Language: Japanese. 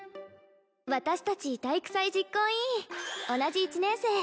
私達体育祭実行委員同じ１年生